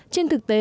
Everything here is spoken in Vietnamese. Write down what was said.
trên thực tế